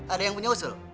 ada yang punya usul